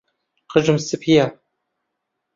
قژم سپییە.